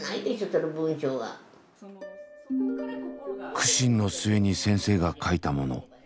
苦心の末に先生が書いたもの。